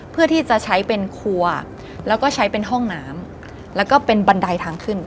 เพื่อที่จะใช้เป็นครัวแล้วก็ใช้เป็นห้องน้ำแล้วก็เป็นบันไดทางขึ้น